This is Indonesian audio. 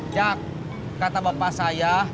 jak kata bapak saya